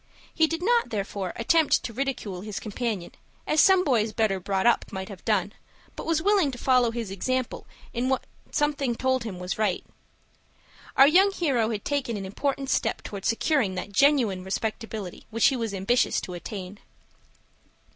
He did not, therefore, attempt to ridicule his companion, as some boys better brought up might have done, but was willing to follow his example in what something told him was right. Our young hero had taken an important step toward securing that genuine respectability which he was ambitious to attain.